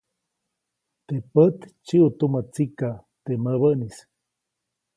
Teʼ pät dsyiʼu tumä tsikaʼ, teʼ mäbäʼnis.